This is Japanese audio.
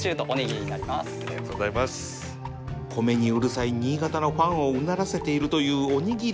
米にうるさい新潟のファンをうならせているというおにぎり